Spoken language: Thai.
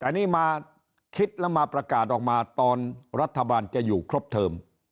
อันนี้มาคิดแล้วมาประกาศออกมาตอนรัฐบาลจะอยู่ครบเทิม